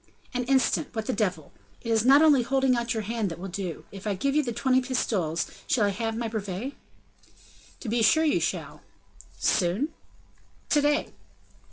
"An instant, what the devil! it is not only holding out your hand that will do; if I give you the twenty pistoles, shall I have my brevet?" "To be sure you shall." "Soon?" "To day."